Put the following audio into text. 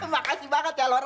makasih banget ya lora